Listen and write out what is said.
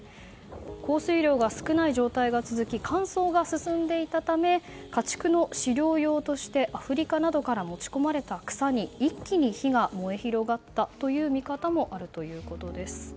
降水量が少ない状態が続き乾燥が進んでいたため家畜の飼料用としてアフリカなどから持ち込まれた草に一気に火が燃え広がったという見方もあるということです。